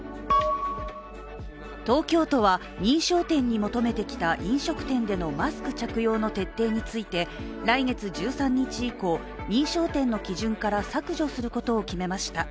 東京都は、認証店に求めてきた飲食店でのマスク着用の徹底について来月１３日以降、認証店の基準から削除することを決めました。